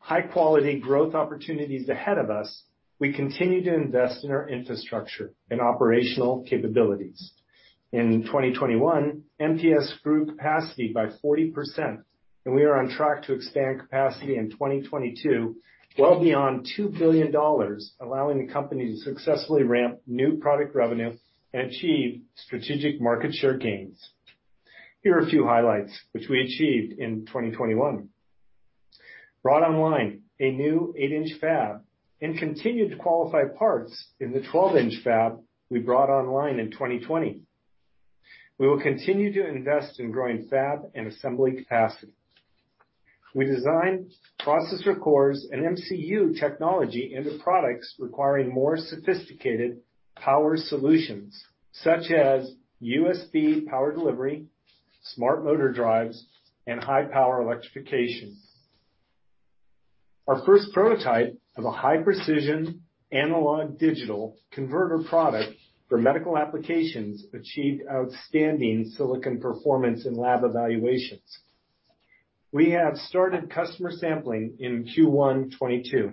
High quality growth opportunities ahead of us. We continue to invest in our infrastructure and operational capabilities. In 2021, MPS grew capacity by 40%, and we are on track to expand capacity in 2022, well beyond $2 billion, allowing the company to successfully ramp new product revenue and achieve strategic market share gains. Here are a few highlights which we achieved in 2021. Brought online a new 8-inch fab and continued to qualify parts in the 12-inch fab we brought online in 2020. We will continue to invest in growing fab and assembly capacity. We designed processor cores and MCU technology into products requiring more sophisticated power solutions, such as USB Power Delivery, smart motor drives, and high power electrification. Our first prototype of a high precision analog-to-digital converter product for medical applications achieved outstanding silicon performance in lab evaluations. We have started customer sampling in Q1 2022.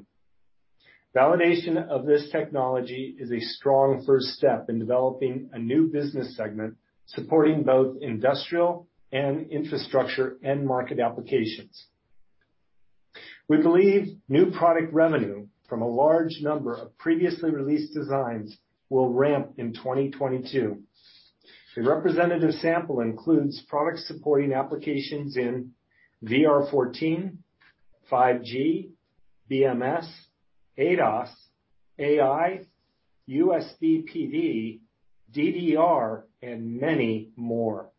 Validation of this technology is a strong first step in developing a new business segment, supporting both industrial and infrastructure and market applications. We believe new product revenue from a large number of previously released designs will ramp in 2022. The representative sample includes products supporting applications in VR14, 5G, BMS, ADAS, AI, USB PD, DDR, and many more.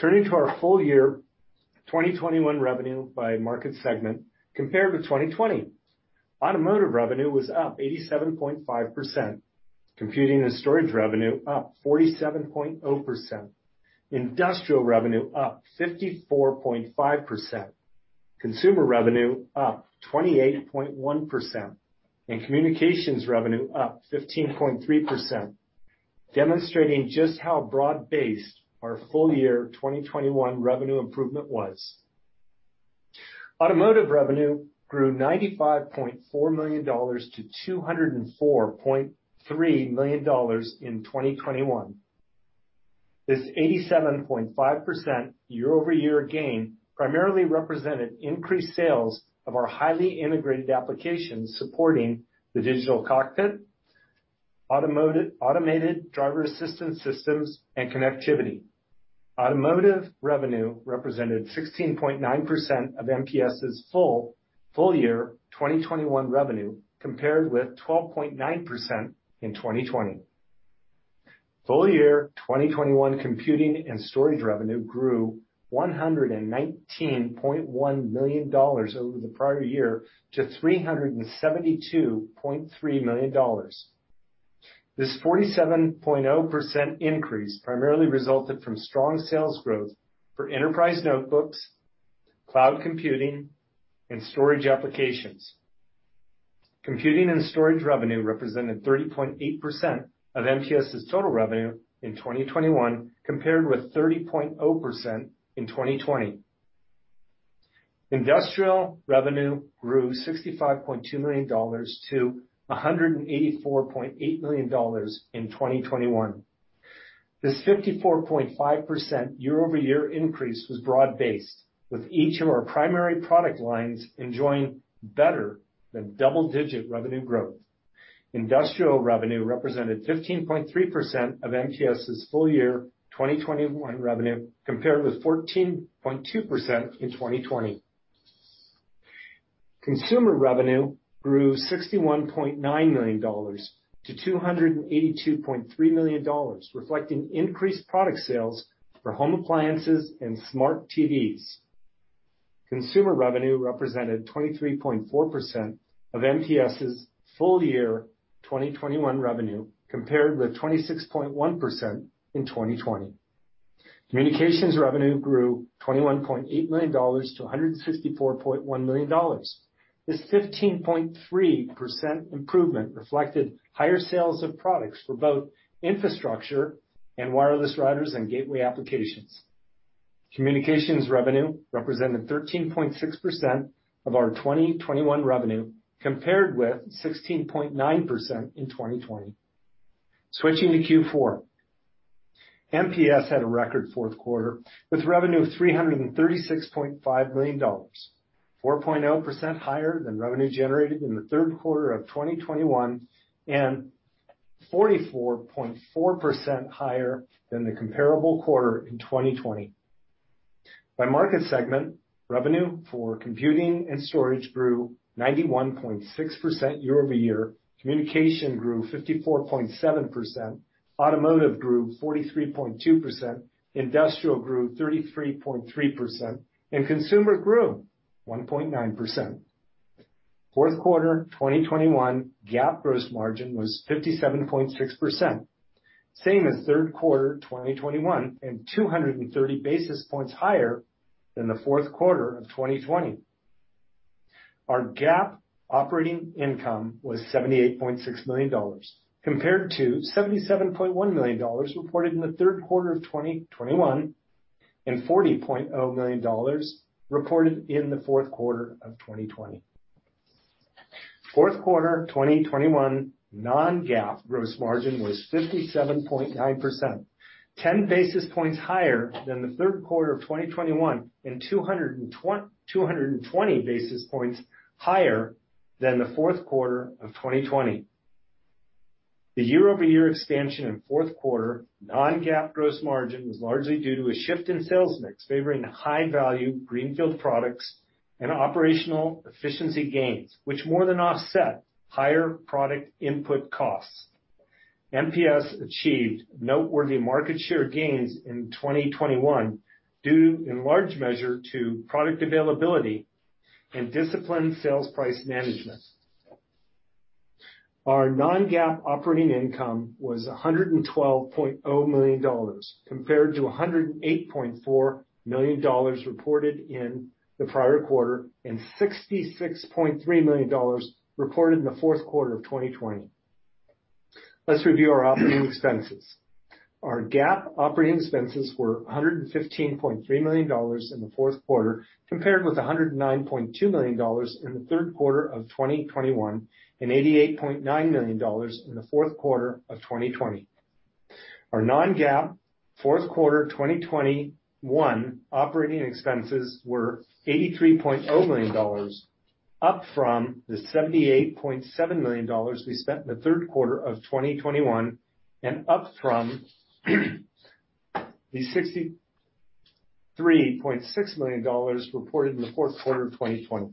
Turning to our full year 2021 revenue by market segment compared to 2020. Automotive revenue was up 87.5%, computing and storage revenue up 47.0%, industrial revenue up 54.5%, consumer revenue up 28.1%, and communications revenue up 15.3%, demonstrating just how broad-based our full year 2021 revenue improvement was. Automotive revenue grew $95.4 million to $204.3 million in 2021. This 87.5% year-over-year gain primarily represented increased sales of our highly integrated applications supporting the digital cockpit, automated driver assistance systems, and connectivity. Automotive revenue represented 16.9% of MPS' full year 2021 revenue, compared with 12.9% in 2020. Full year 2021 computing and storage revenue grew $119.1 million over the prior year to $372.3 million. This 47.0% increase primarily resulted from strong sales growth for enterprise notebooks, cloud computing, and storage applications. Computing and storage revenue represented 30.8% of MPS's total revenue in 2021, compared with 30.0% in 2020. Industrial revenue grew $65.2 million-$184.8 million in 2021. This 54.5% year-over-year increase was broad-based, with each of our primary product lines enjoying better than double-digit revenue growth. Industrial revenue represented 15.3% of MPS's full year 2021 revenue, compared with 14.2% in 2020. Consumer revenue grew $61.9 million-$282.3 million, reflecting increased product sales for home appliances and smart TVs. Consumer revenue represented 23.4% of MPS's full year 2021 revenue, compared with 26.1% in 2020. Communications revenue grew $21.8 million-$164.1 million. This 15.3% improvement reflected higher sales of products for both infrastructure and wireless routers and gateway applications. Communications revenue represented 13.6% of our 2021 revenue, compared with 16.9% in 2020. Switching to Q4, MPS had a record fourth quarter, with revenue of $336.5 million, 4.0% higher than revenue generated in the third quarter of 2021, and 44.4% higher than the comparable quarter in 2020. By market segment, revenue for computing and storage grew 91.6% year-over-year. Communication grew 54.7%, automotive grew 43.2%, industrial grew 33.3%, and consumer grew 1.9%. Fourth quarter 2021 GAAP gross margin was 57.6%, same as third quarter 2021, and 230 basis points higher than the fourth quarter of 2020. Our GAAP operating income was $78.6 million compared to $77.1 million reported in the third quarter of 2021 and $40.0 million reported in the fourth quarter of 2020. Fourth quarter 2021 non-GAAP gross margin was 57.9%, 10 basis points higher than the third quarter of 2021 and 220 basis points higher than the fourth quarter of 2020. The year-over-year expansion in fourth quarter non-GAAP gross margin was largely due to a shift in sales mix favoring high-value greenfield products and operational efficiency gains, which more than offset higher product input costs. MPS achieved noteworthy market share gains in 2021 due in large measure to product availability and disciplined sales price management. Our non-GAAP operating income was $112.0 million compared to $108.4 million reported in the prior quarter, and $66.3 million reported in the fourth quarter of 2020. Let's review our operating expenses. Our GAAP operating expenses were $115.3 million in the fourth quarter compared with $109.2 million in the third quarter of 2021, and $88.9 million in the fourth quarter of 2020. Our non-GAAP fourth quarter 2021 operating expenses were $83.0 million, up from the $78.7 million we spent in the third quarter of 2021, and up from the $63.6 million reported in the fourth quarter of 2020.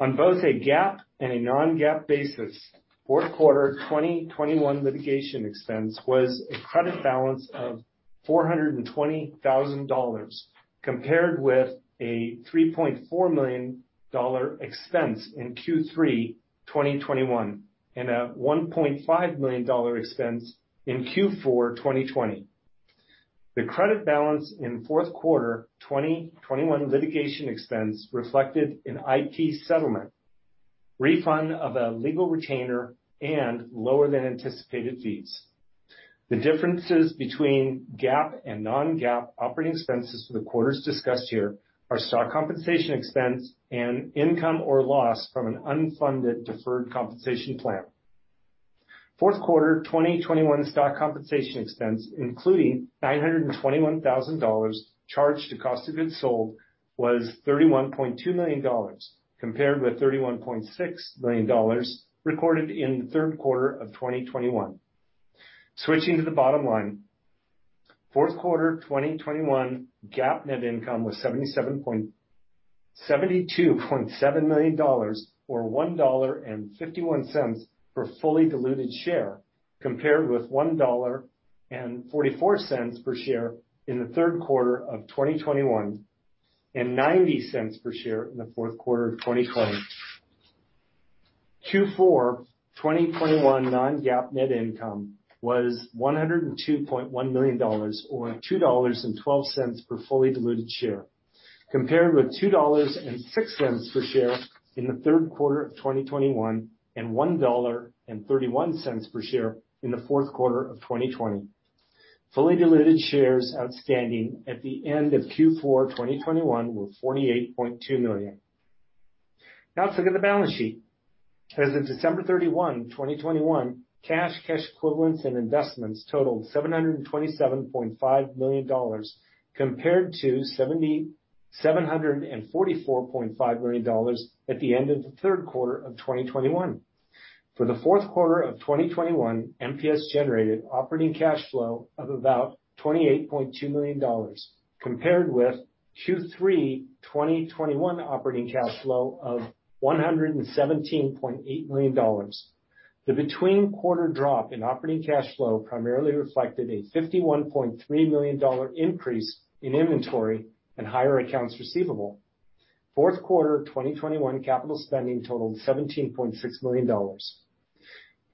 On both a GAAP and a non-GAAP basis, fourth quarter 2021 litigation expense was a credit balance of $420,000 compared with a $3.4 million expense in Q3 2021, and a $1.5 million expense in Q4 2020. The credit balance in fourth quarter 2021 litigation expense reflected an ITC settlement, refund of a legal retainer, and lower than anticipated fees. The differences between GAAP and non-GAAP operating expenses for the quarters discussed here are stock compensation expense and income or loss from an unfunded deferred compensation plan. Fourth quarter 2021 stock compensation expense, including $921,000 charged to cost of goods sold, was $31.2 million, compared with $31.6 million recorded in the third quarter of 2021. Switching to the bottom line. Fourth quarter 2021 GAAP net income was $72.7 million or $1.51 per fully diluted share, compared with $1.44 per share in the third quarter of 2021, and $0.90 per share in the fourth quarter of 2020. Q4 2021 non-GAAP net income was $102.1 million or $2.12 per fully diluted share, compared with $2.06 per share in the third quarter of 2021, and $1.31 per share in the fourth quarter of 2020. Fully diluted shares outstanding at the end of Q4 2021 were 48.2 million. Now let's look at the balance sheet. As of December 31, 2021, cash equivalents and investments totaled $727.5 million compared to $744.5 million at the end of the third quarter of 2021. For the fourth quarter of 2021, MPS generated operating cash flow of about $28.2 million compared with Q3 2021 operating cash flow of $117.8 million. The between quarter drop in operating cash flow primarily reflected a $51.3 million increase in inventory and higher accounts receivable. Fourth quarter 2021 capital spending totaled $17.6 million.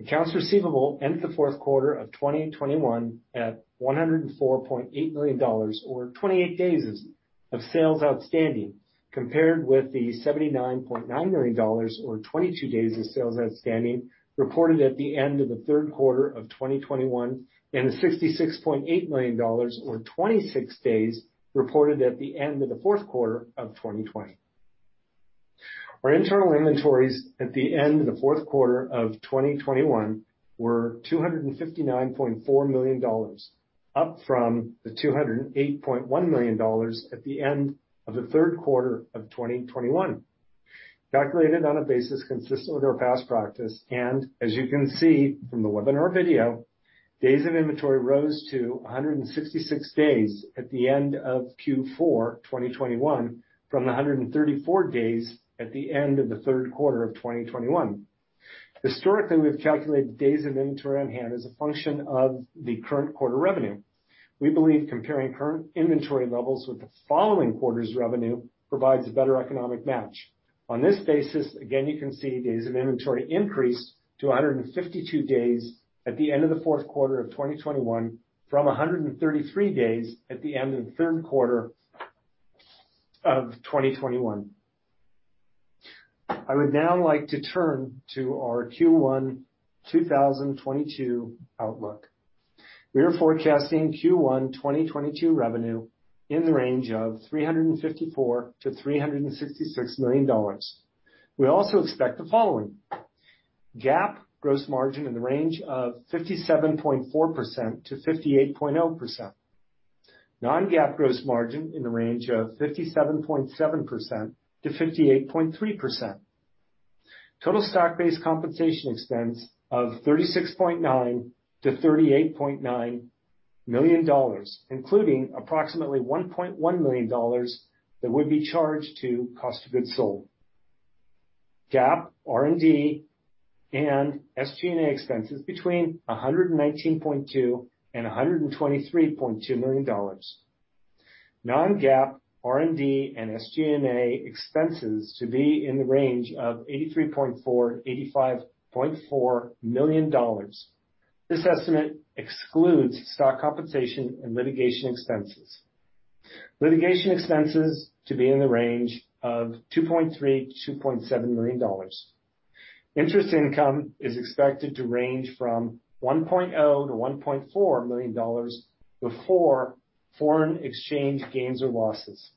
Accounts receivable ended the fourth quarter of 2021 at $104.8 million or 28 days of sales outstanding compared with the $79.9 million or 22 days of sales outstanding reported at the end of the third quarter of 2021, and the $66.8 million or 26 days reported at the end of the fourth quarter of 2020. Our internal inventories at the end of the fourth quarter of 2021 were $259.4 million, up from the $208.1 million at the end of the third quarter of 2021. Calculated on a basis consistent with our past practice, and as you can see from the webinar video, days of inventory rose to 166 days at the end of Q4 2021 from the 134 days at the end of the third quarter of 2021. Historically, we've calculated days of inventory on hand as a function of the current quarter revenue. We believe comparing current inventory levels with the following quarter's revenue provides a better economic match. On this basis, again, you can see days of inventory increased to 152 days at the end of the fourth quarter of 2021 from 133 days at the end of the third quarter of 2021. I would now like to turn to our Q1 2022 outlook. We are forecasting Q1 2022 revenue in the range of $354 million-$366 million. We also expect the following. GAAP gross margin in the range of 57.4%-58.0%. Non-GAAP gross margin in the range of 57.7%-58.3%. Total stock-based compensation expense of $36.9 million-$38.9 million, including approximately $1.1 million that would be charged to cost of goods sold. GAAP, R&D, and SG&A expenses between $119.2 million and $123.2 million. Non-GAAP, R&D, and SG&A expenses to be in the range of $83.4 million-$85.4 million. This estimate excludes stock compensation and litigation expenses. Litigation expenses to be in the range of $2.3 million-$2.7 million. Interest income is expected to range from $1.0 million-$1.4 million before foreign exchange gains or losses.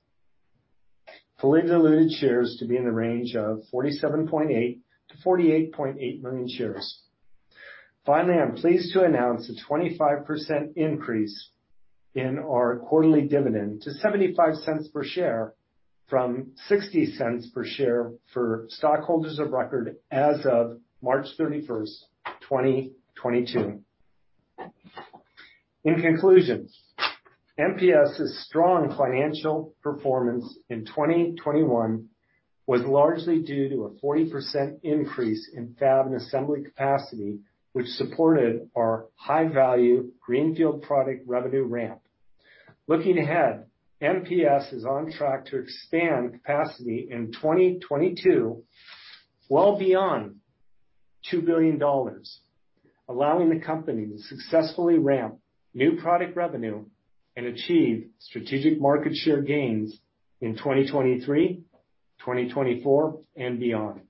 Fully diluted shares to be in the range of 47.8 million-48.8 million shares. Finally, I'm pleased to announce a 25% increase in our quarterly dividend to $0.75 per share from $0.60 per share for stockholders of record as of March 31, 2022. In conclusion, MPS's strong financial performance in 2021 was largely due to a 40% increase in fab and assembly capacity, which supported our high-value greenfield product revenue ramp. Looking ahead, MPS is on track to expand capacity in 2022, well beyond $2 billion, allowing the company to successfully ramp new product revenue and achieve strategic market share gains in 2023, 2024, and beyond.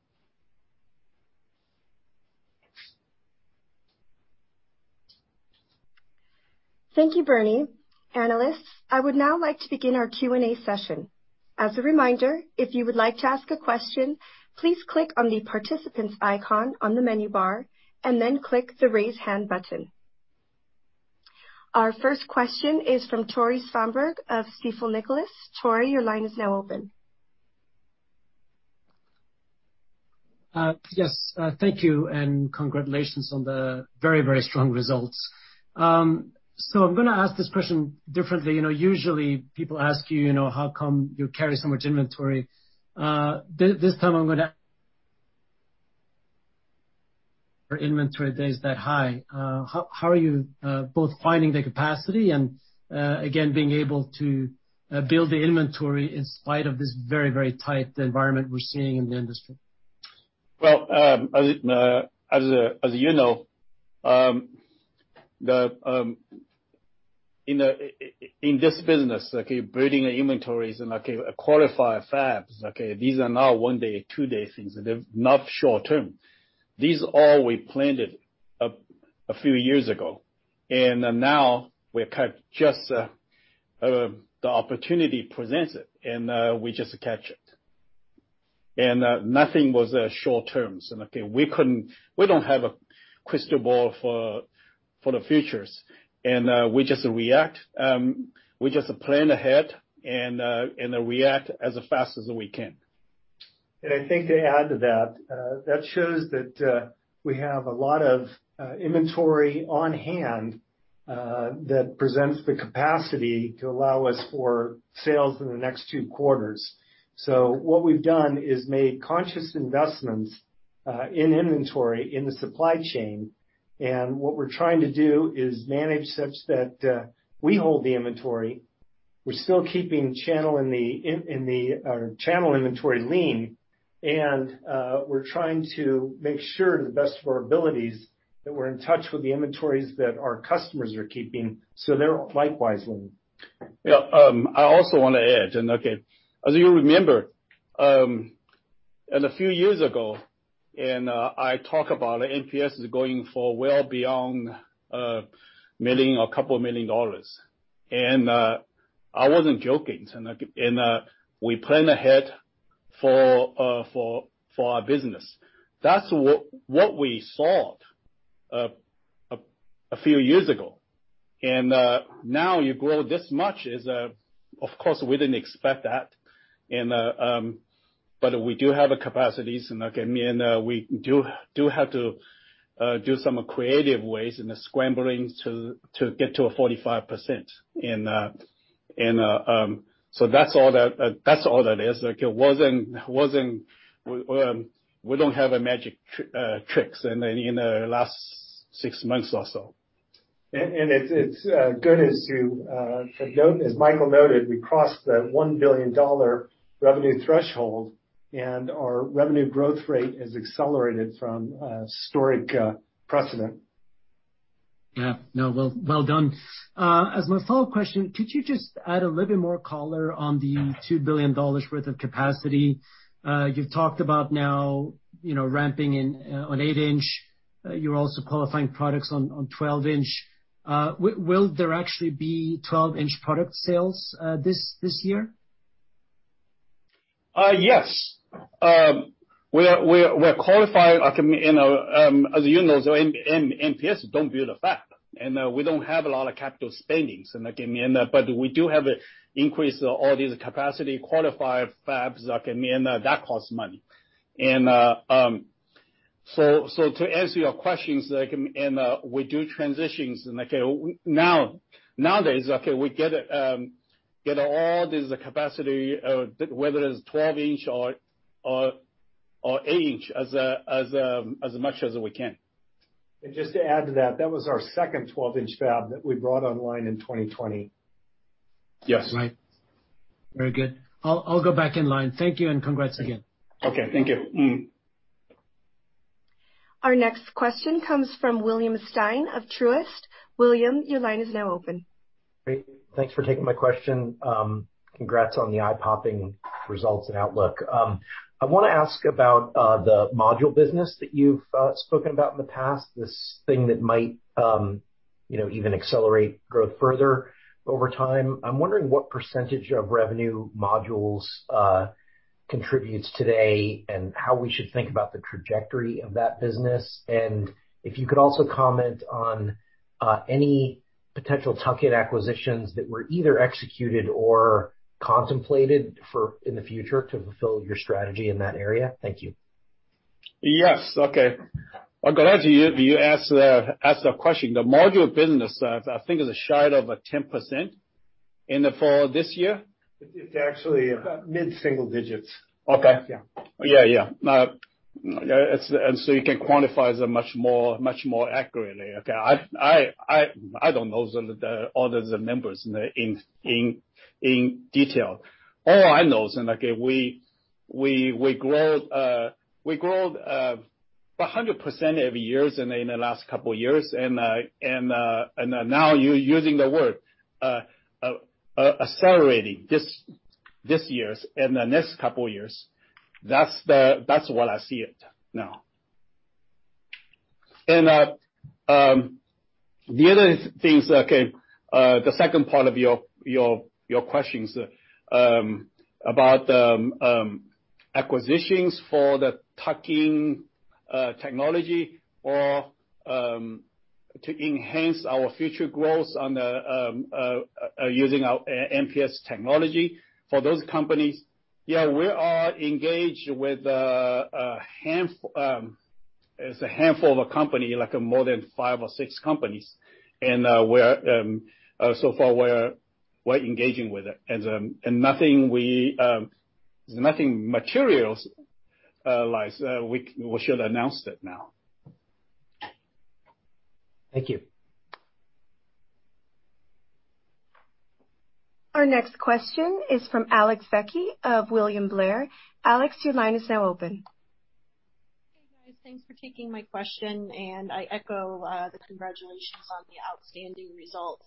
Thank you, Bernie. Analysts, I would now like to begin our Q&A session. As a reminder, if you would like to ask a question, please click on the participants icon on the menu bar, and then click the Raise Hand button. Our first question is from Tore Svanberg of Stifel Nicolaus. Tore, your line is now open. Yes, thank you, and congratulations on the very, very strong results. I'm gonna ask this question differently. You know, usually people ask you know, how come you carry so much inventory? Your inventory days that high, how are you both finding the capacity and, again, being able to build the inventory in spite of this very, very tight environment we're seeing in the industry? Well, as you know, in this business, building the inventories and qualify fabs. These are now one-day, two-day things. They're not short-term. We planned all these a few years ago. Now we're kind of just, the opportunity presents itself, and we just catch it. Nothing was short-term. We don't have a crystal ball for the future. We just react. We just plan ahead and react as fast as we can. I think to add to that shows that we have a lot of inventory on hand that presents the capacity to allow us for sales in the next two quarters. What we've done is made conscious investments in inventory in the supply chain, and what we're trying to do is manage such that we hold the inventory. We're still keeping channel inventory lean, and we're trying to make sure to the best of our abilities that we're in touch with the inventories that our customers are keeping, so they're likewise lean. Yeah. I also wanna add, okay, as you remember, a few years ago, I talked about MPS going for well beyond a million or couple million dollars. I wasn't joking. We plan ahead for our business. That's what we sought a few years ago. Now you grow this much is, of course, we didn't expect that. But we do have the capacities, again, we do have to do some creative ways and the scramblings to get to 45%. That's all that is. Like it wasn't, we don't have a magic tricks in the last six months or so. It's good, as Michael noted, we crossed the $1 billion revenue threshold, and our revenue growth rate has accelerated from historic precedent. Yeah. No. Well done. As my follow-up question, could you just add a little bit more color on the $2 billion worth of capacity? You've talked about now, you know, ramping in on 8-inch. You're also qualifying products on 12-inch. Will there actually be 12-inch product sales, this year? Yes. We are qualified. You know, as you know, MPS don't build a fab, and we don't have a lot of capital spending, but we do have an increase in all these capacities at qualified fabs, okay. To answer your questions, like, we do transitions. Now, nowadays, we get all this capacity, whether it's 12-inch or 8-inch, as much as we can. Just to add to that was our second 12-inch fab that we brought online in 2020. Yes. Right. Very good. I'll go back in line. Thank you, and congrats again. Okay. Thank you. Our next question comes from William Stein of Truist. William, your line is now open. Great. Thanks for taking my question. Congrats on the eye-popping results and outlook. I wanna ask about the module business that you've spoken about in the past, this thing that might, you know, even accelerate growth further over time. I'm wondering what percentage of revenue modules contributes today and how we should think about the trajectory of that business. And if you could also comment on any potential tuck-in acquisitions that were either executed or contemplated in the future to fulfill your strategy in that area. Thank you. Yes. Okay. Well, glad you asked that question. The module business, I think, is a shade under 10% in the fall this year. It's actually mid-single digits. Okay. Yeah. You can quantify it much more accurately, okay? I don't know all the numbers in detail. All I know is we grow 100% every year in the last couple years, and now you're using the word accelerating this year and the next couple years. That's what I see now. The other things, the second part of your questions about acquisitions for the tuck-in technology or to enhance our future growth by using our MPS technology for those companies. Yeah, we are engaged with a handful. It's a handful of companies, like more than five or six companies. So far we're engaging with it, and nothing material, like we should announce it now. Thank you. Our next question is from Alex Vecchi of William Blair. Alex, your line is now open. Hey, guys. Thanks for taking my question, and I echo the congratulations on the outstanding results.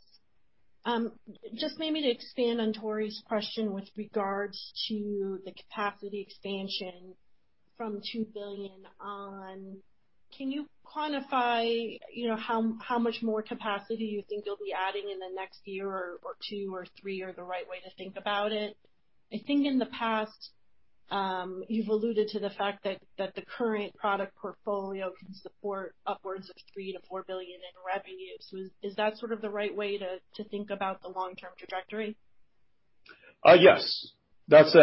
Just maybe to expand on Tore's question with regards to the capacity expansion from $2 billion on, can you quantify, you know, how much more capacity you think you'll be adding in the next year or two or three? Is that the right way to think about it? I think in the past, you've alluded to the fact that the current product portfolio can support upwards of $3 billion-$4 billion in revenue. Is that sort of the right way to think about the long-term trajectory? Yes. That's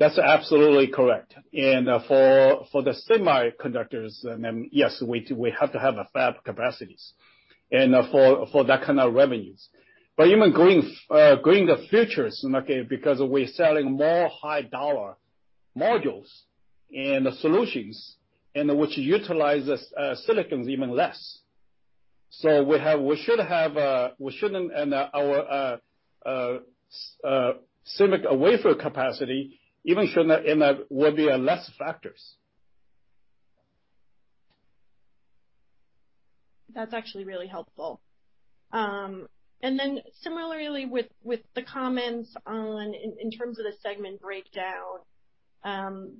absolutely correct. For the semiconductors, yes, we have to have fab capacity and for that kind of revenues. Even going forward, okay, because we're selling more high-dollar modules and solutions which utilize silicon even less. Our silicon wafer capacity will even be less of a factor. That's actually really helpful. Similarly, with the comments on in terms of the segment breakdown,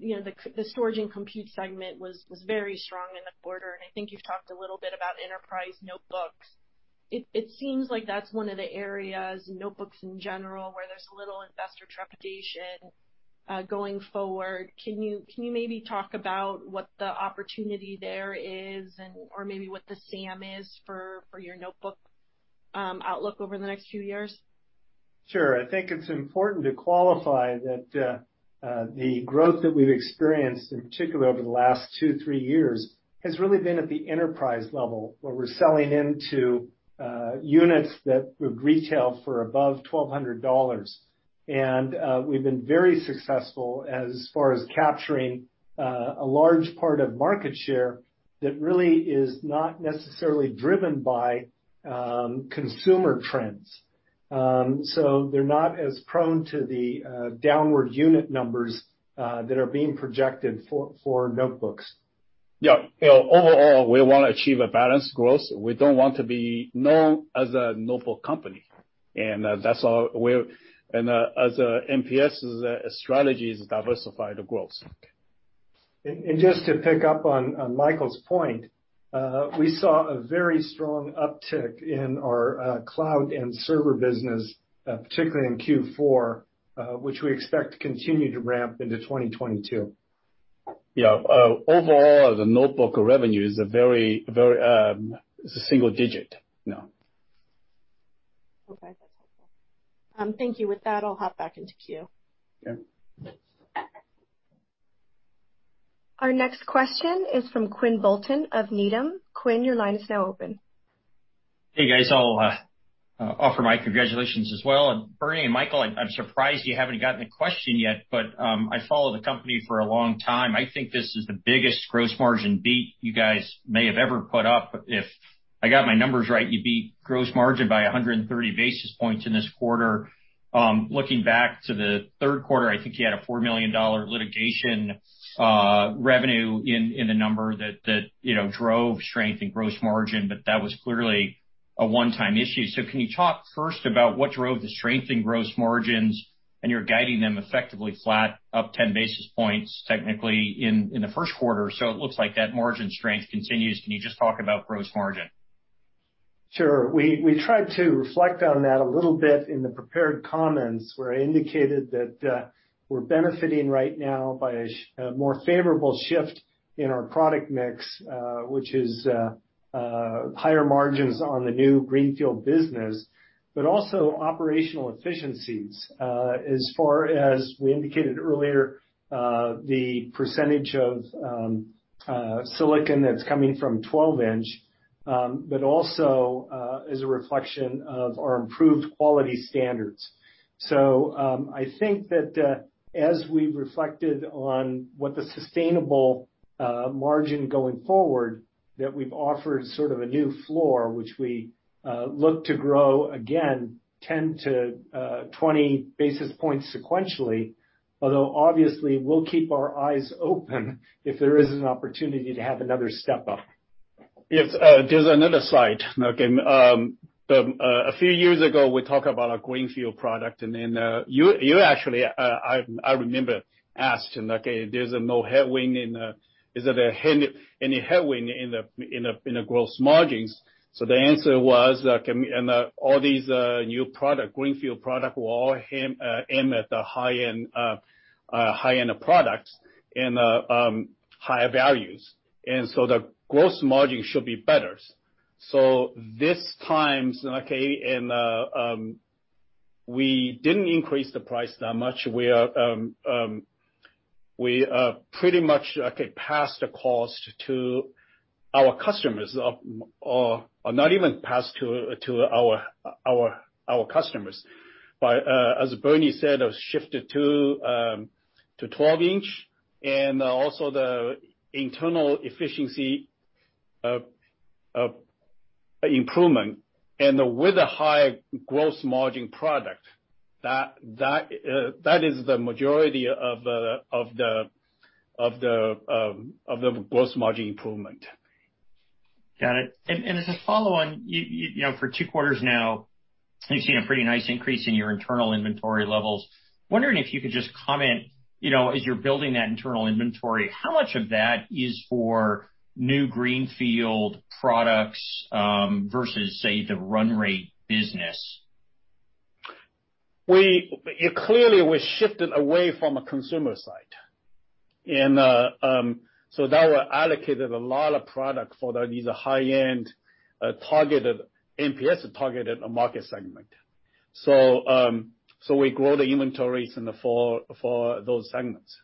you know, the storage and compute segment was very strong in the quarter and I think you've talked a little bit about enterprise notebooks. It seems like that's one of the areas, notebooks in general, where there's a little investor trepidation going forward. Can you maybe talk about what the opportunity there is and/or maybe what the SAM is for your notebook outlook over the next few years? Sure. I think it's important to qualify that the growth that we've experienced, in particular over the last two, three years, has really been at the enterprise level, where we're selling into units that would retail for above $1,200. We've been very successful as far as capturing a large part of market share that really is not necessarily driven by consumer trends. They're not as prone to the downward unit numbers that are being projected for notebooks. Yeah. You know, overall, we wanna achieve a balanced growth. We don't want to be known as a notebook company. As MPS' strategy is diversify the growth. Just to pick up on Michael's point, we saw a very strong uptick in our cloud and server business, particularly in Q4, which we expect to continue to ramp into 2022. Yeah. Overall, the notebook revenue is a single digit, you know. Okay. That's helpful. Thank you. With that, I'll hop back into queue. Yeah. Our next question is from Quinn Bolton of Needham. Quinn, your line is now open. Hey, guys. I'll offer my congratulations as well. Bernie and Michael, I'm surprised you haven't gotten a question yet, but I followed the company for a long time. I think this is the biggest gross margin beat you guys may have ever put up. If I got my numbers right, you beat gross margin by 130 basis points in this quarter. Looking back to the third quarter, I think you had a $4 million litigation revenue in the number that you know drove strength in gross margin, but that was clearly a one-time issue. Can you talk first about what drove the strength in gross margins, and you're guiding them effectively flat up 10 basis points technically in the first quarter. It looks like that margin strength continues. Can you just talk about gross margin? Sure. We tried to reflect on that a little bit in the prepared comments, where I indicated that, we're benefiting right now by a more favorable shift in our product mix, which is higher margins on the new greenfield business, but also operational efficiencies. As far as we indicated earlier, the percentage of silicon that's coming from 12-inch, but also, is a reflection of our improved quality standards. I think that, as we've reflected on what the sustainable margin going forward, that we've offered sort of a new floor, which we look to grow again 10-20 basis points sequentially. Although, obviously, we'll keep our eyes open if there is an opportunity to have another step up. Yes, there's another slide. Okay. A few years ago, we talk about our greenfield product, and then, you actually, I remember asked him, okay, there's no headwind in. Is there any headwind in the gross margins? The answer was, all these new product, greenfield product will all aim at the high-end, high-end products and higher values. The gross margin should be better. This time, we didn't increase the price that much. We pretty much passed the cost to our customers or not even passed to our customers. As Bernie said, have shifted to 12-inch and also the internal efficiency of improvement. With a high gross margin product, that is the majority of the gross margin improvement. Got it. As a follow-on, you know, for two quarters now, you've seen a pretty nice increase in your internal inventory levels. Wondering if you could just comment, you know, as you're building that internal inventory, how much of that is for new greenfield products versus, say, the run rate business? Clearly, we shifted away from a consumer side. So that we allocated a lot of product for these high-end targeted MPS targeted market segment. We grow the inventories in the fall for those segments.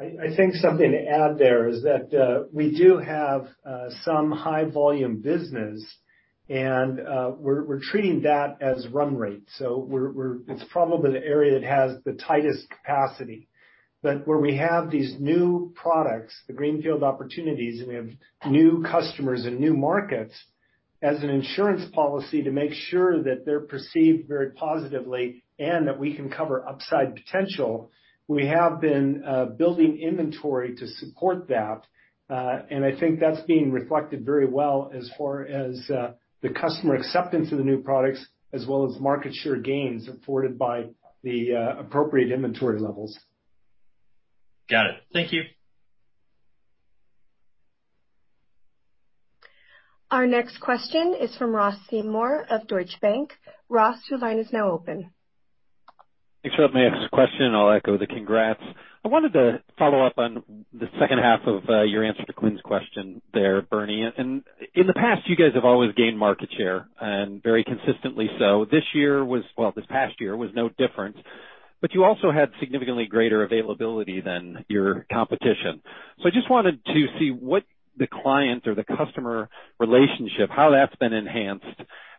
I think something to add there is that we do have some high volume business and we're treating that as run rate. It's probably the area that has the tightest capacity. Where we have these new products, the greenfield opportunities, and we have new customers and new markets, as an insurance policy to make sure that they're perceived very positively and that we can cover upside potential, we have been building inventory to support that. I think that's being reflected very well as far as the customer acceptance of the new products, as well as market share gains afforded by the appropriate inventory levels. Got it. Thank you. Our next question is from Ross Seymore of Deutsche Bank. Ross, your line is now open. Thanks for letting me ask this question, and I'll echo the congrats. I wanted to follow up on the second half of your answer to Quinn's question there, Bernie. In the past, you guys have always gained market share and very consistently so. Well, this past year was no different, but you also had significantly greater availability than your competition. I just wanted to see what the client or the customer relationship, how that's been enhanced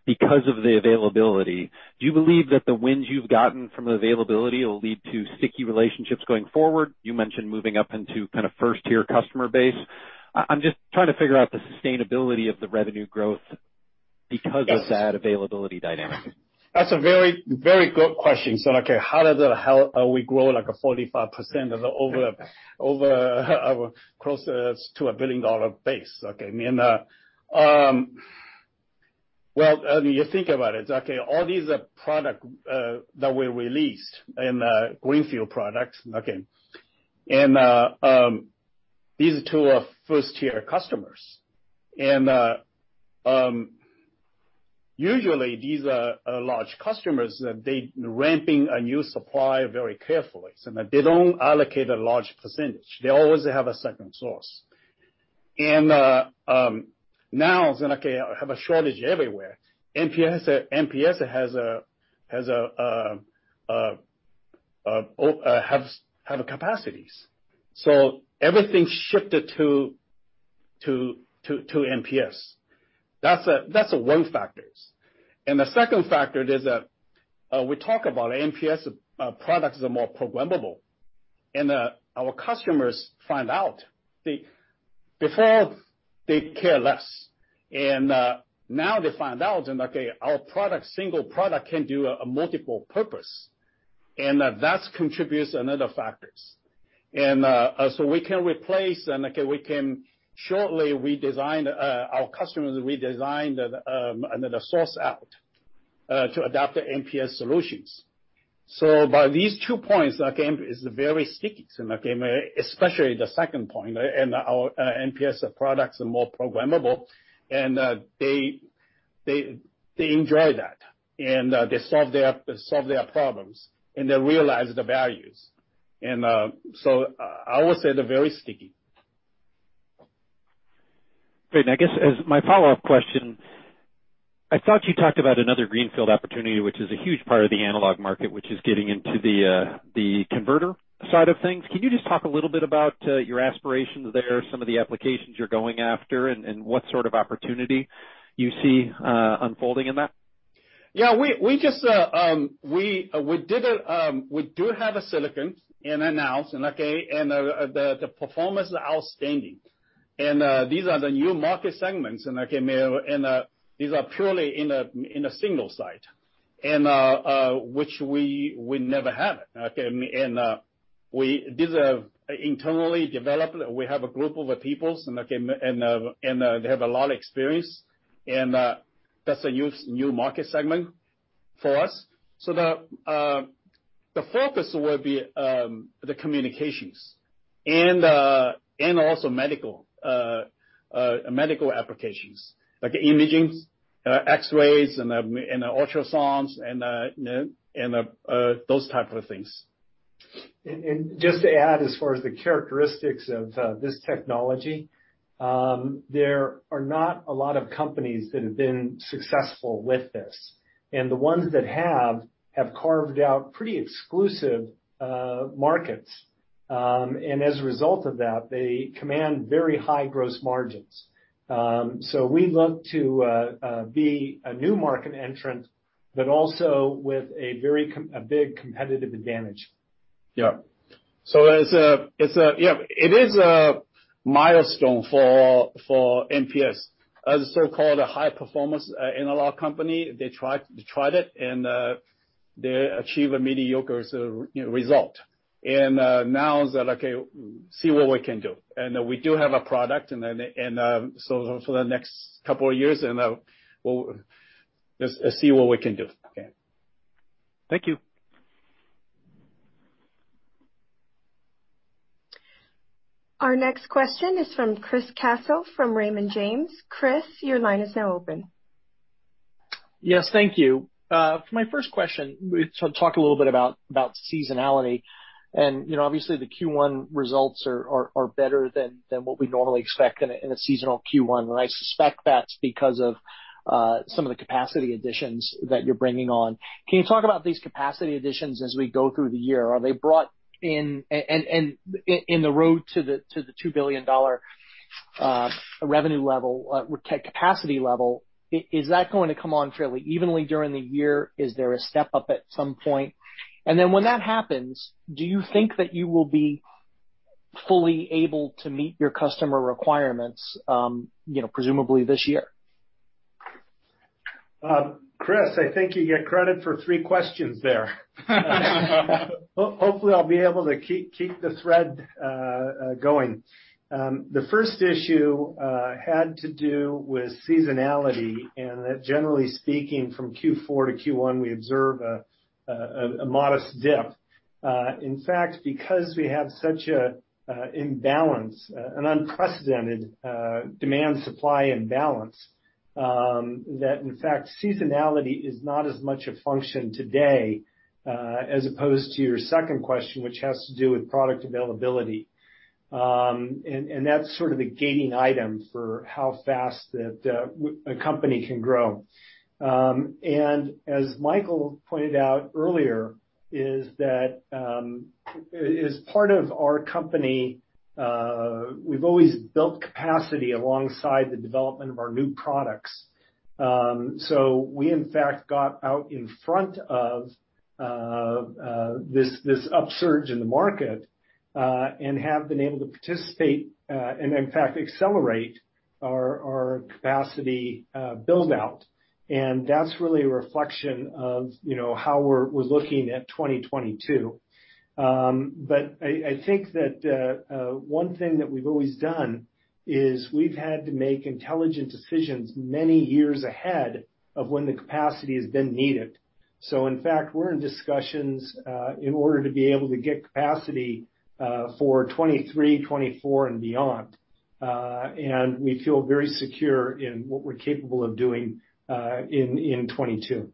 because of the availability. Do you believe that the wins you've gotten from availability will lead to sticky relationships going forward? You mentioned moving up into kind of first-tier customer base. I'm just trying to figure out the sustainability of the revenue growth because of that availability dynamic. That's a very good question. Okay, how the hell are we growing like a 45% over our process to a billion-dollar base, okay? I mean, well, when you think about it, okay, all these are product that we released in the greenfield products, okay? These two are first-tier customers. Usually these are large customers. They're ramping a new supply very carefully, so they don't allocate a large percentage. They always have a second source. Now it's like, okay, I have a shortage everywhere. MPS has capacities. Everything shifted to MPS. That's one factor. The second factor is that we talk about MPS products are more programmable, and our customers find out. Before, they care less. Now they find out and like, okay, our product, single product can do a multiple purpose, and that contributes another factors. We can replace, and like we can shortly redesign, our customers redesign, another source out, to adapt to MPS solutions. By these two points again is very sticky, so again, especially the second point. Our MPS products are more programmable and they enjoy that, and they solve their problems, and they realize the values. I would say they're very sticky. Great. I guess as my follow-up question, I thought you talked about another greenfield opportunity, which is a huge part of the analog market, which is getting into the converter side of things. Can you just talk a little bit about your aspirations there, some of the applications you're going after, and what sort of opportunity you see unfolding in that? Yeah. We just do have silicon in-house, and the performance is outstanding. These are the new market segments, and these are purely in a single site, which we never had, okay? We designed internally developed. We have a group of people, and they have a lot of experience. That's a new market segment for us. The focus will be the communications and also medical applications like imaging, X-rays and ultrasounds and those types of things. Just to add, as far as the characteristics of this technology, there are not a lot of companies that have been successful with this. The ones that have carved out pretty exclusive markets. As a result of that, they command very high gross margins. We look to be a new market entrant, but also with a big competitive advantage. Yeah. It's a milestone for MPS. As a so-called high performance analog company, they tried it and they achieve a mediocre, you know, result. Now it's like, okay, see what we can do. We do have a product and then for the next couple of years we'll just see what we can do. Okay. Thank you. Our next question is from Chris Caso, from Raymond James. Chris, your line is now open. Yes. Thank you. For my first question, we sort of talked a little bit about seasonality. You know, obviously, the Q1 results are better than what we normally expect in a seasonal Q1, and I suspect that's because of some of the capacity additions that you're bringing on. Can you talk about these capacity additions as we go through the year? Are they brought in? In the road to the $2 billion revenue level, capacity level, is that going to come on fairly evenly during the year? Is there a step-up at some point? When that happens, do you think that you will be fully able to meet your customer requirements, you know, presumably this year? Chris, I think you get credit for three questions there. Hopefully, I'll be able to keep the thread going. The first issue had to do with seasonality, and generally speaking, from Q4 to Q1, we observe a modest dip. In fact, because we have such an imbalance, an unprecedented demand supply imbalance, that in fact seasonality is not as much a function today as opposed to your second question, which has to do with product availability. That's sort of the gating item for how fast that a company can grow. As Michael pointed out earlier, as part of our company, we've always built capacity alongside the development of our new products. We in fact got out in front of this upsurge in the market and have been able to participate and in fact accelerate our capacity build-out. That's really a reflection of, you know, how we're looking at 2022. I think that one thing that we've always done is we've had to make intelligent decisions many years ahead of when the capacity has been needed. We're in discussions in order to be able to get capacity for 2023, 2024 and beyond. We feel very secure in what we're capable of doing in 2022.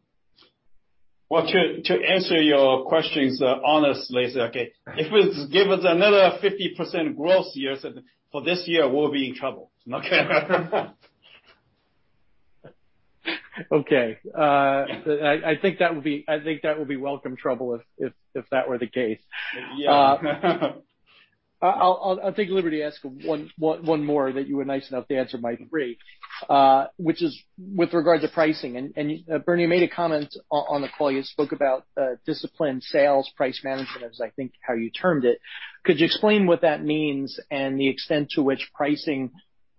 Well, to answer your questions, honestly, okay, if it give us another 50% growth years for this year, we'll be in trouble. Okay. I think that would be welcome trouble if that were the case. Yeah. I'll take the liberty to ask one more that you were nice enough to answer my three, which is with regard to pricing. Bernie, you made a comment on the call. You spoke about disciplined sales price management, as I think how you termed it. Could you explain what that means and the extent to which pricing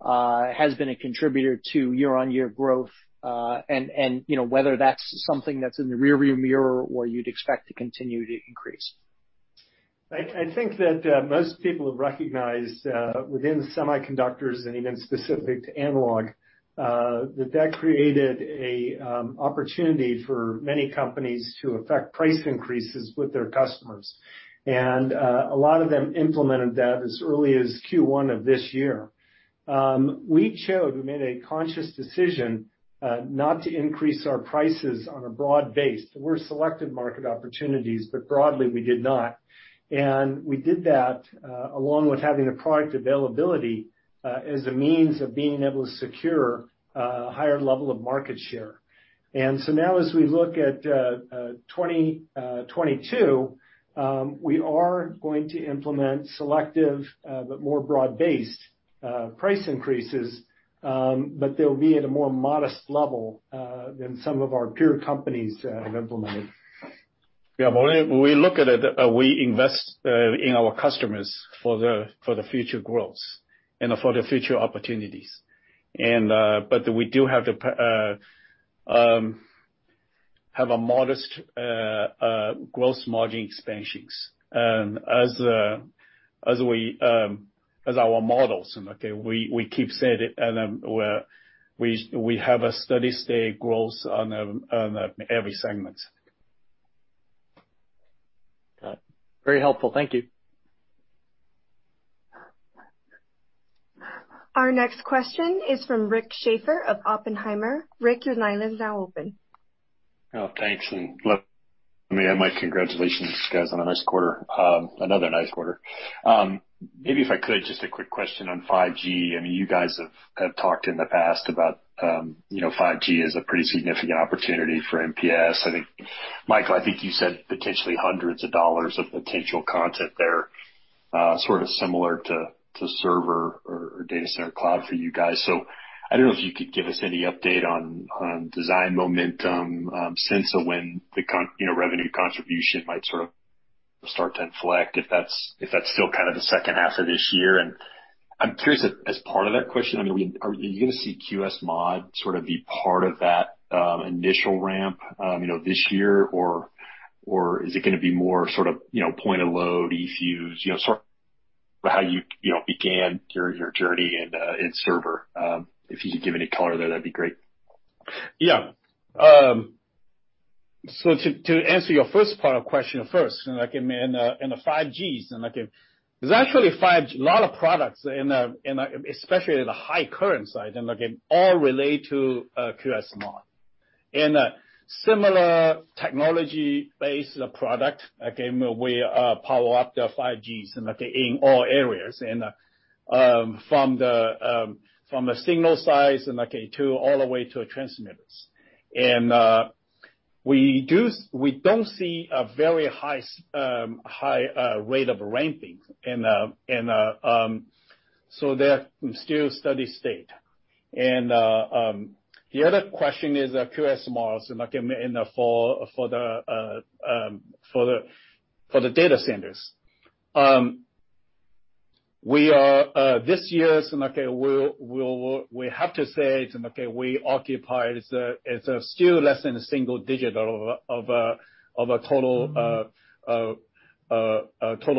has been a contributor to year-on-year growth, and you know, whether that's something that's in the rearview mirror or you'd expect to continue to increase? I think that most people have recognized within semiconductors and even specific to analog that created an opportunity for many companies to effect price increases with their customers. A lot of them implemented that as early as Q1 of this year. We chose, we made a conscious decision not to increase our prices on a broad base. There were selective market opportunities, but broadly, we did not. We did that along with having the product availability as a means of being able to secure a higher level of market share. Now as we look at 2022 we are going to implement selective but more broad-based price increases, but they'll be at a more modest level than some of our peer companies have implemented. Yeah. When we look at it, we invest in our customers for the future growth and for the future opportunities. We do have a modest gross margin expansions. As our models, we keep saying it, we have a steady-state growth on every segment. Got it. Very helpful. Thank you. Our next question is from Rick Schafer of Oppenheimer. Rick, your line is now open. Oh, thanks, let me add my congratulations to you guys on a nice quarter, another nice quarter. Maybe if I could, just a quick question on 5G. I mean, you guys have talked in the past about, you know, 5G as a pretty significant opportunity for MPS. I think, Michael, you said potentially hundreds of dollars of potential content there, sort of similar to server or data center cloud for you guys. I don't know if you could give us any update on design momentum, sense of when you know, revenue contribution might sort of start to inflect, if that's still kind of the second half of this year. I'm curious as part of that question, I mean, we... Are you gonna see QSMod sort of be part of that initial ramp, you know, this year, or is it gonna be more sort of, you know, point of load, E-fuses, you know, sort of how you know began your journey in server? If you could give any color there, that'd be great. Yeah. So to answer your first part of the question first. In 5G, there's actually a lot of 5G products in, especially the high current side, and again, all relate to QSMod. In a similar technology-based product, again, we power up the 5G in all areas and from small signal to all the way to transmitters. We don't see a very high rate of ramping. So they're still steady state. The other question is QSMod in the data centers. This year, we have to say it. We occupy. It's still less than a single digit of a total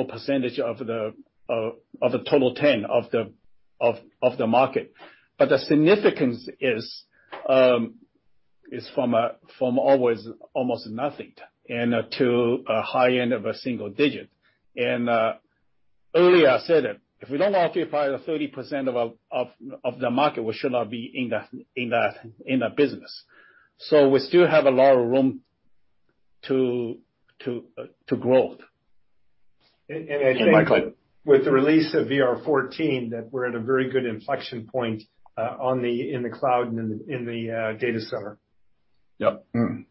percentage of the total TAM of the market. The significance is from almost nothing to a high end of a single digit. Earlier I said it. If we don't occupy the 30% of our market, we should not be in that business. We still have a lot of room to grow. I think. Michael. With the release of VR14, that we're at a very good inflection point in the cloud and in the data center. Yep. Mm-hmm.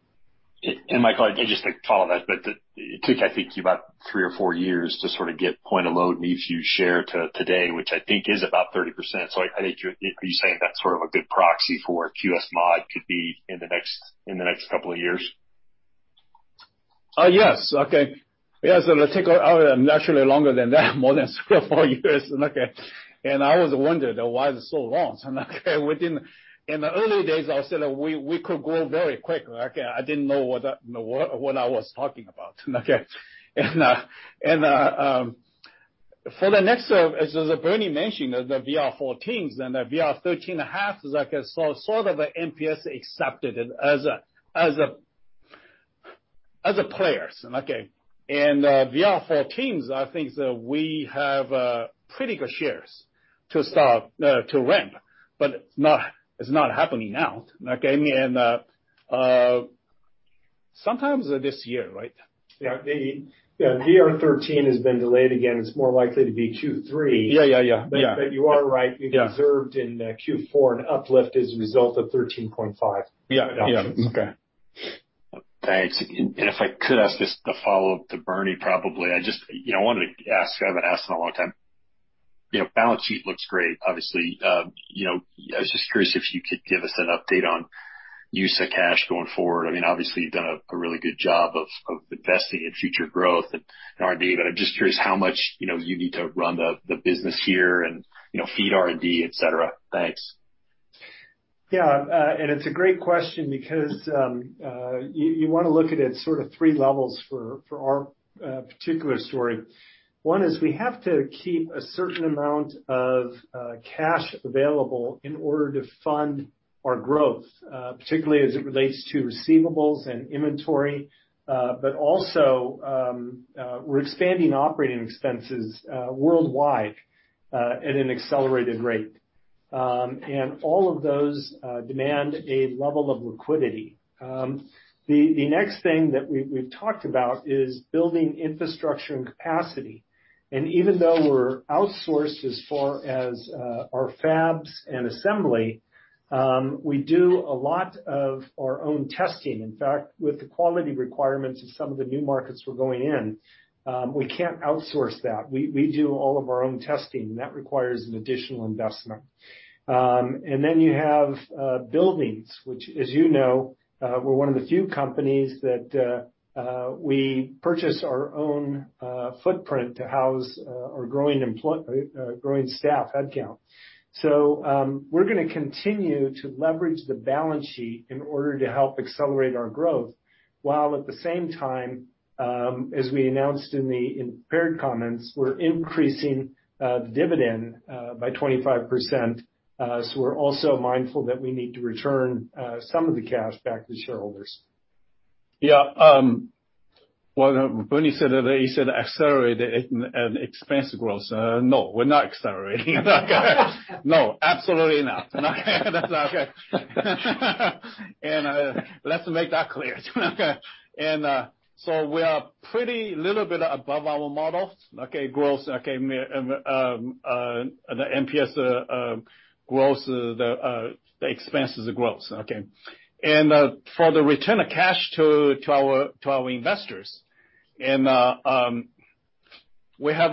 Michael, just to follow that, but it took, I think, about three or four years to sort of get point of load and eFuse share to today, which I think is about 30%. Are you saying that's sort of a good proxy for QSMod could be in the next couple of years? Yes. Okay. Yes. Let's take naturally longer than that, more than three or four years. Okay. I always wondered why it's so long. In the early days, I said we could grow very quick. Okay. I didn't know what I was talking about. Okay. For the next, as Bernie mentioned, the VR14 and VR13.5 is like a sort of MPS accepted as a player, okay? VR14, I think we have pretty good shares to start to ramp. But not, it's not happening now, okay? Sometimes this year, right? Yeah. The VR13 has been delayed again. It's more likely to be Q3. Yeah. You are right. Yeah. You observed in Q4 an uplift as a result of 13.5. Yeah. Yeah. Okay. Thanks. If I could ask just a follow-up to Bernie, probably. I just, you know, wanted to ask. I haven't asked in a long time. You know, balance sheet looks great, obviously. You know, I was just curious if you could give us an update on use of cash going forward. I mean, obviously, you've done a really good job of investing in future growth and R&D, but I'm just curious how much, you know, you need to run the business here and, you know, feed R&D, et cetera. Thanks. It's a great question because you wanna look at it sort of three levels for our particular story. One is we have to keep a certain amount of cash available in order to fund our growth, particularly as it relates to receivables and inventory. But also, we're expanding operating expenses worldwide at an accelerated rate. All of those demand a level of liquidity. The next thing that we've talked about is building infrastructure and capacity. Even though we're outsourced as far as our fabs and assembly, we do a lot of our own testing. In fact, with the quality requirements of some of the new markets we're going in, we can't outsource that. We do all of our own testing, and that requires an additional investment. Then you have buildings, which, as you know, we purchase our own footprint to house our growing staff headcount. We're gonna continue to leverage the balance sheet in order to help accelerate our growth, while at the same time, as we announced in the prepared comments, we're increasing the dividend by 25%. We're also mindful that we need to return some of the cash back to shareholders. Yeah. What Bernie said, he said accelerated and expense growth. No, we're not accelerating. No, absolutely not. Let's make that clear. We are a little bit above our models. Okay. Growth, MPS growth, the expenses growth. Okay. For the return of cash to our investors, we have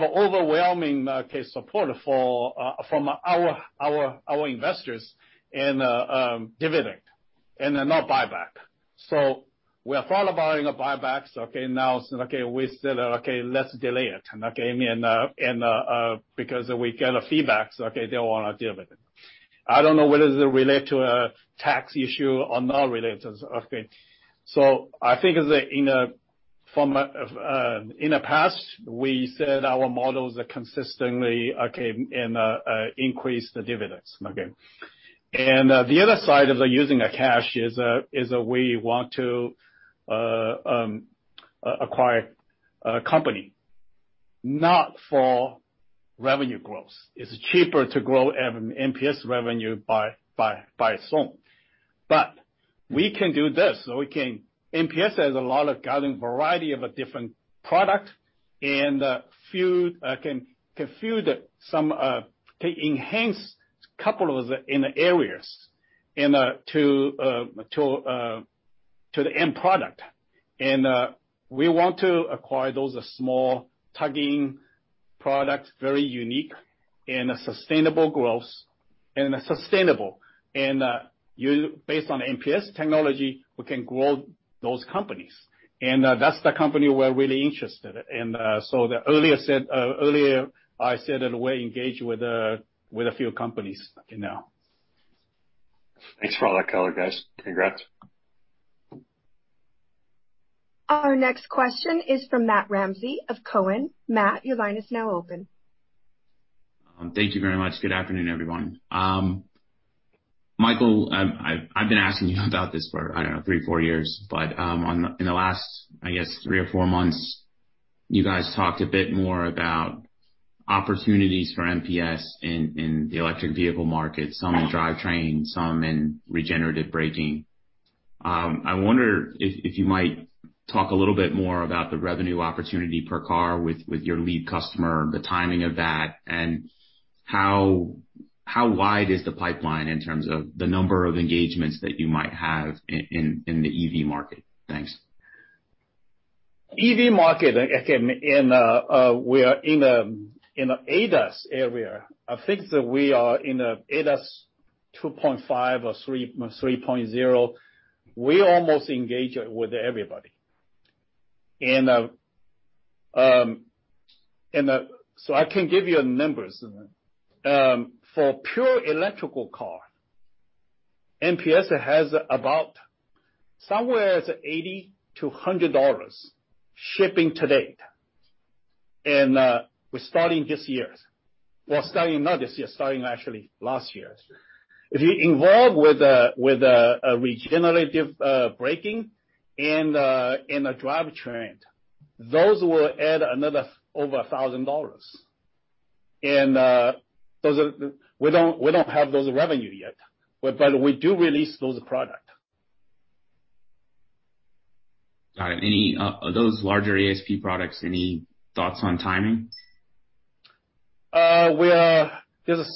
overwhelming base of support from our investors in dividend and not buyback. We thought about the buybacks, okay, now, we said, okay, let's delay it, okay, because we got feedback, okay, they want to do it. I don't know whether it relates to a tax issue or not. I think in the past, we said our models are consistently okay and increase the dividends. Okay. The other side of using cash is we want to acquire a company not for revenue growth. It's cheaper to grow MPS revenue by its own. We can do this. MPS has a lot of growing variety of different products and we can enhance a couple of areas to the end product. We want to acquire those small targeted products, very unique and sustainable growth, and sustainable. Based on MPS technology, we can grow those companies. That's the company we're really interested in. Earlier, I said that we're engaged with a few companies now. Thanks for all that color, guys. Congrats. Our next question is from Matt Ramsay of Cowen. Matt, your line is now open. Thank you very much. Good afternoon, everyone. Michael, I've been asking you about this for, I don't know, three or four years, but in the last, I guess, three or four months, you guys talked a bit more about opportunities for MPS in the electric vehicle market, some in drivetrain, some in regenerative braking. I wonder if you might talk a little bit more about the revenue opportunity per car with your lead customer, the timing of that, and how wide is the pipeline in terms of the number of engagements that you might have in the EV market? Thanks. EV market, again, in, we are in an ADAS area. I think that we are in an ADAS 2.5 or 3.0. We engage with almost everybody. I can give you numbers. For pure electric car, MPS has about somewhere $80-$100 shipped to date. We're starting this year. Well, starting not this year, actually last year. If you're involved with a regenerative braking and a drive train, those will add another over $1,000. Those are. We don't have those revenues yet, but we do release those products. Got it. Any of those larger ASP products, any thoughts on timing? There's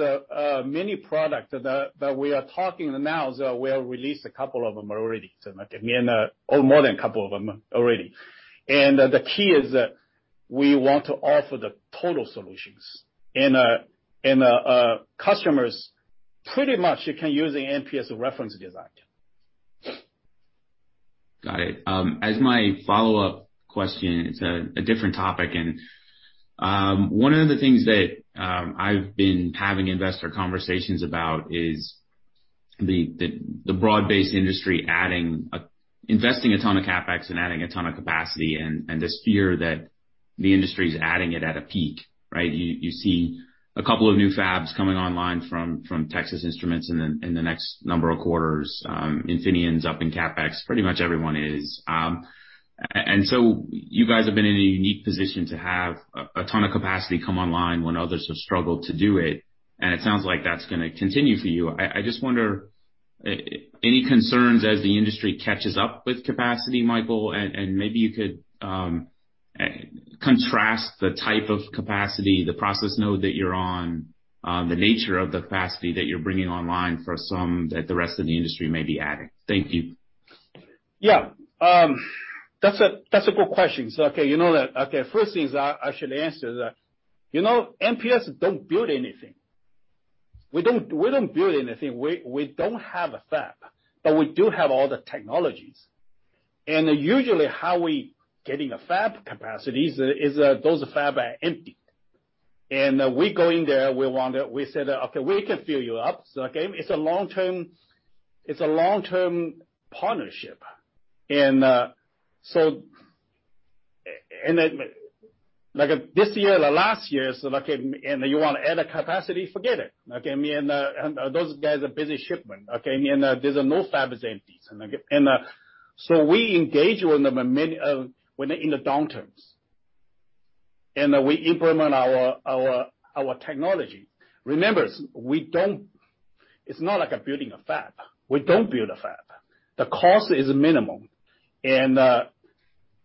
a mini product that we are talking now. We'll release a couple of them already. I mean, or more than a couple of them already. The key is that we want to offer the total solutions. Customers, pretty much, you can use the MPS reference design. Got it. As my follow-up question, it's a different topic. One of the things that I've been having investor conversations about is the broad-based industry adding investing a ton of CapEx and adding a ton of capacity, and this fear that the industry is adding it at a peak, right? You see a couple of new fabs coming online from Texas Instruments in the next number of quarters. Infineon's up in CapEx. Pretty much everyone is. You guys have been in a unique position to have a ton of capacity come online when others have struggled to do it, and it sounds like that's gonna continue for you. I just wonder any concerns as the industry catches up with capacity, Michael? Maybe you could contrast the type of capacity, the process node that you're on, the nature of the capacity that you're bringing online versus that the rest of the industry may be adding. Thank you. Yeah. That's a good question. Okay, you know that. Okay, first thing is I should answer that, you know, MPS don't build anything. We don't build anything. We don't have a fab, but we do have all the technologies. Usually, how we getting a fab capacity is those fabs are empty. We go in there, we want it. We said, "Okay, we can fill you up." Again, it's a long-term partnership. Like this year or last year, you wanna add a capacity, forget it. Okay. I mean, those guys are busy shipping, okay? There's no empty fabs. We engage with them in many when they're in the downturns, we implement our technology. Remember, it's not like building a fab. We don't build a fab. The cost is minimal.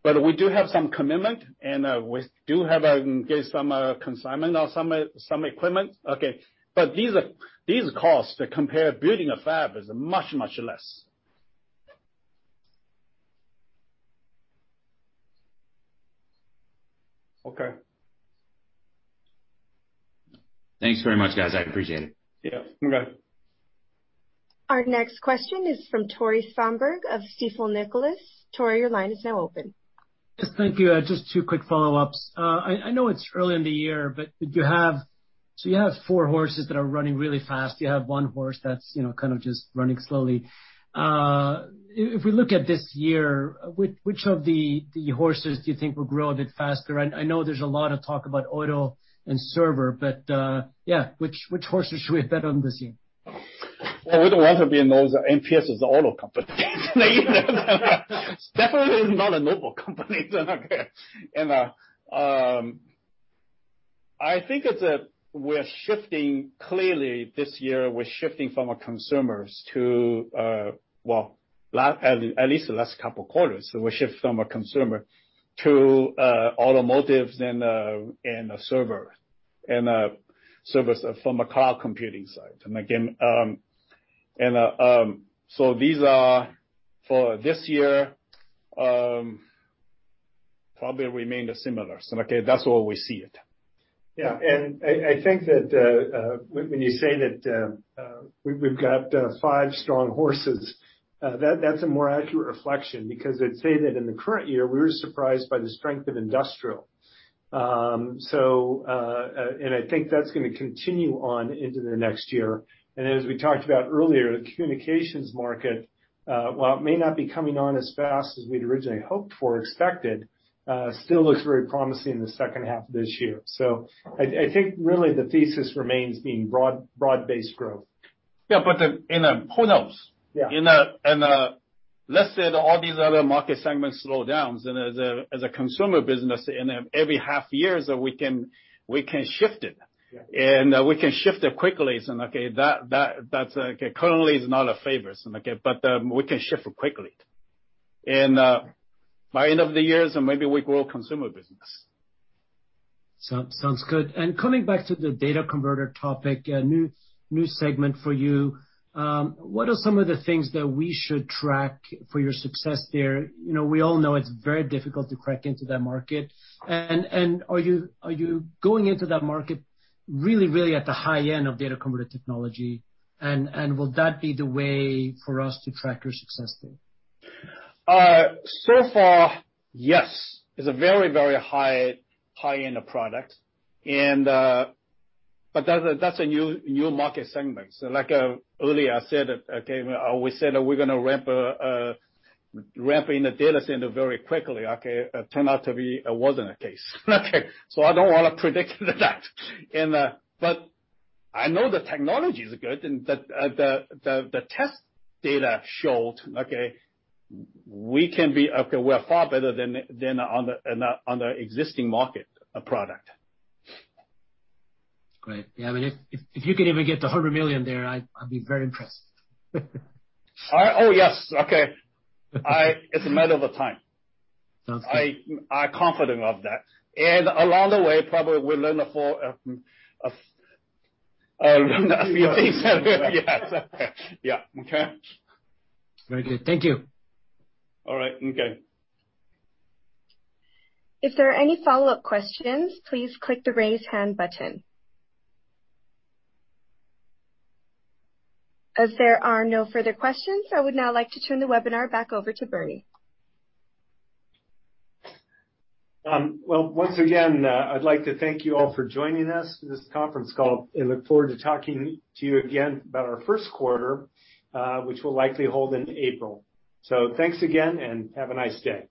But we do have some commitment, and we do have to get some consignment or some equipment, okay? But these costs compared to building a fab is much, much less. Okay. Thanks very much, guys. I appreciate it. Yeah. Okay. Our next question is from Tore Svanberg of Stifel Nicolaus. Tore, your line is now open. Yes, thank you. Just two quick follow-ups. I know it's early in the year, but you have four horses that are running really fast. You have one horse that's, you know, kind of just running slowly. If we look at this year, which of the horses do you think will grow a bit faster? I know there's a lot of talk about auto and server, but yeah, which horse should we bet on this year? I wouldn't want to be in those. MPS is auto company. Definitely not a mobile company. I think it's, we're shifting clearly this year from consumers to, well, at least the last couple quarters, we shift from a consumer to automotives and servers from a cloud computing side. Again, these are for this year, probably remain the similar. Okay, that's where we see it. Yeah. I think that when you say that we've got five strong horses, that's a more accurate reflection because I'd say that in the current year, we were surprised by the strength of industrial. I think that's gonna continue on into the next year. As we talked about earlier, the communications market while it may not be coming on as fast as we'd originally hoped for or expected still looks very promising in the second half of this year. I think really the thesis remains being broad-based growth. Yeah, who knows? Yeah. Let's say that all these other market segments slow down. As a consumer business, and every half years, we can shift it. Yeah. We can shift it quickly. Okay, that's currently not in favor, okay? We can shift quickly. By end of the year, so maybe we grow consumer business. Sounds good. Coming back to the data converter topic, a new segment for you. What are some of the things that we should track for your success there? You know, we all know it's very difficult to crack into that market. Are you going into that market really at the high end of data converter technology? Will that be the way for us to track your success there? So far, yes. It's a very high-end product. That's a new market segment. Like, earlier I said, okay, we said we're gonna ramp in the data center very quickly, okay? It turned out to be it wasn't the case. I don't wanna predict that. I know the technology is good and the test data showed, okay, we can be, okay, we're far better than on the existing market product. Great. Yeah, I mean, if you could even get to $100 million there, I'd be very impressed. Oh, yes. Okay. It's a matter of time. Sounds good. I'm confident of that. Along the way, probably we'll learn a few things. Yeah. Okay? Very good. Thank you. All right. Okay. If there are any follow-up questions, please click the Raise Hand button. As there are no further questions, I would now like to turn the webinar back over to Bernie. Well, once again, I'd like to thank you all for joining us for this conference call and look forward to talking to you again about our first quarter, which we'll likely hold in April. Thanks again, and have a nice day.